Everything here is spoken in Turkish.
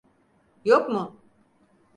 Yok mu?